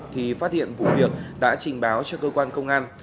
thì phát hiện vụ việc đã trình báo cho cơ quan công an